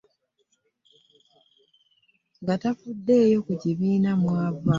Nga tafuddeyo ku kibiina mw'ava.